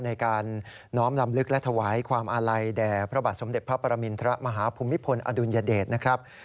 ในการน้อมลำลึกและถวายความอาลัยแด่พระบาทสมเด็จพระปรมินทรมาฮภูมิพลอดุลยเดชนะครับ